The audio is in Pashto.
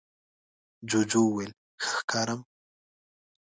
جوجو وویل ښه ښکارم؟